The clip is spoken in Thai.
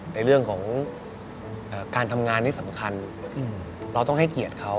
ในเรื่องของการทำงานนี่สำคัญเราต้องให้เกียรติเขา